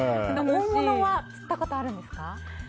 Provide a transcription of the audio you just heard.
大物は釣ったことあるんですか？